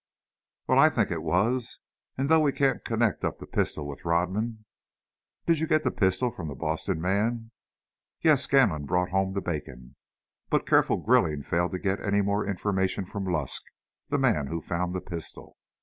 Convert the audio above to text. "Well, I think it was, and though we can't connect up the pistol with Rodman " "Did you get the pistol from the Boston man?" "Yes; Scanlon brought home that bacon. But careful grilling failed to get any more information from Lusk, the man who found the pistol.